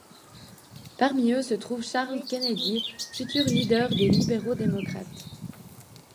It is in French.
Parmi eux se trouve Charles Kennedy, futur leader des Libéraux-démocrates.